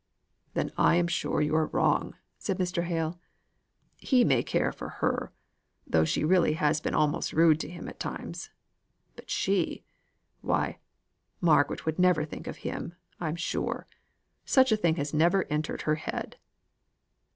"Then I am sure you are wrong," said Mr. Hale. "He may care for her, though she really has been almost rude to him at times. But she! why, Margaret would never think of him, I'm sure. Such a thing has never entered her head."